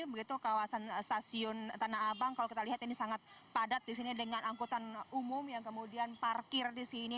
begitu kawasan stasiun tanah abang kalau kita lihat ini sangat padat disini dengan angkutan umum yang kemudian parkir disini